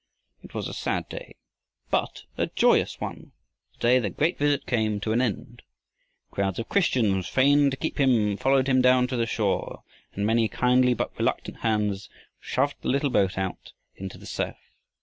It was a sad day but a joyous one the day that great visit came to an end. Crowds of Christians, fain to keep him, followed him down to the shore, and many kindly but reluctant hands shoved the little boat out into the surf.